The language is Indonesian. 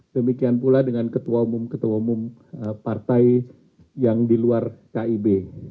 demikian pula dengan ketua umum ketua umum partai yang di luar kib